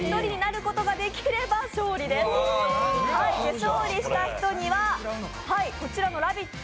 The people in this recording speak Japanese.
勝利した人にはこちらの「ラヴィット！」